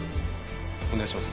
お願いします。